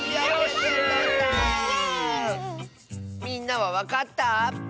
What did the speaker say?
みんなはわかった？